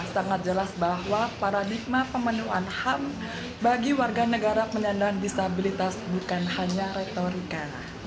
sangat jelas bahwa paradigma pemenuhan ham bagi warga negara penyandang disabilitas bukan hanya retorika